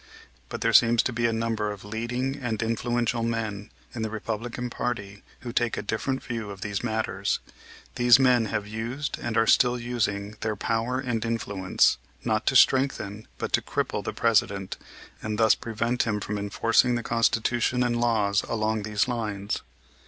But there seems to be a number of leading and influential men in the Republican party who take a different view of these matters. These men have used and are still using their power and influence, not to strengthen but to cripple the President and thus prevent him from enforcing the Constitution and laws along these lines.